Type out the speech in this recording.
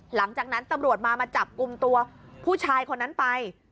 หลังจากนั้นตำรวจมามาจับกลุ่มตัวผู้ชายคนนั้นไป